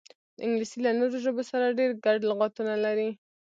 انګلیسي له نورو ژبو سره ډېر ګډ لغاتونه لري